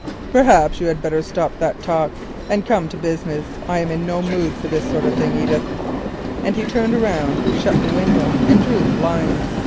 "Perhaps you had better stop that talk, and come to business. I am in no mood for this sort of thing, Edith," and he turned round, shut the window, and drew the blind.